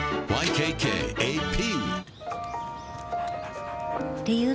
ＹＫＫＡＰ